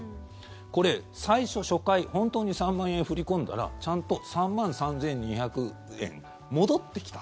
これ、最初、初回本当に３万円振り込んだらちゃんと３万３２００円戻ってきた。